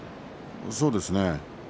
そうですね。